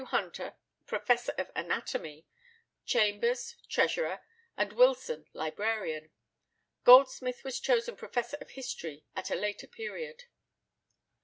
Hunter, professor of anatomy; Chambers, treasurer; and Wilson, librarian. Goldsmith was chosen professor of history at a later period.